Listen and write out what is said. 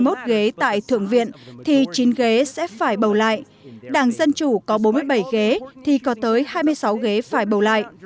đảng cộng hòa hiện có năm mươi một ghế tại thượng viện thì chín ghế sẽ phải bầu lại đảng dân chủ có bốn mươi bảy ghế thì có tới hai mươi sáu ghế phải bầu lại